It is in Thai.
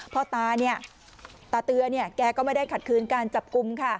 พ่อตาเนี่ยตาเตือแกก็ไม่ได้ขัดคืนการจับกลุ่มค่ะ